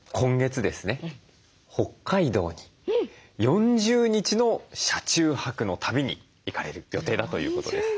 北海道に４０日の車中泊の旅に行かれる予定だということです。